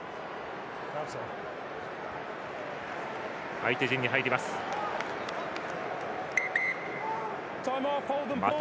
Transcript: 相手陣に入りました。